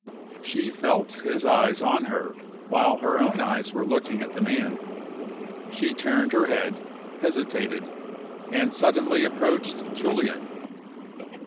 She felt his eye on her while her own eyes were looking at the man. She turned her head hesitated and suddenly approached Julian.